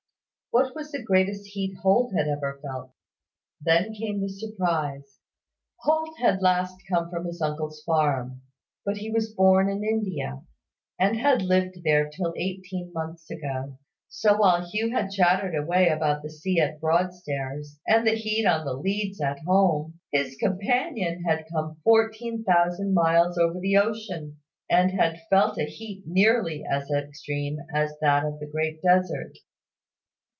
What was the greatest heat Holt had ever felt? Then came the surprise. Holt had last come from his uncle's farm; but he was born in India, and had lived there till eighteen months ago. So, while Hugh had chattered away about the sea at Broadstairs, and the heat on the leads at home, his companion had come fourteen thousand miles over the ocean, and had felt a heat nearly as extreme as that of the Great Desert!